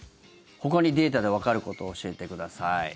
ほかにデータでわかること教えてください。